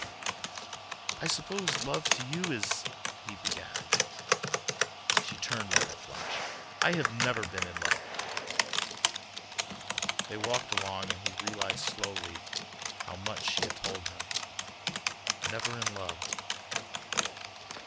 "I suppose love to you is—" he began. She turned like a flash. "I have never been in love." They walked along, and he realized slowly how much she had told him... never in love....